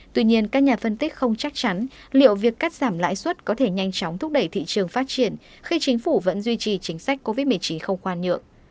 tuy nhiên các nhà phân tích không chắc chắn liệu việc cắt giảm lãi suất có thể nhanh chóng thúc đẩy thị trường phát triển khi chính phủ vẫn duy trì chính sách covid một mươi chín không khoan nhượng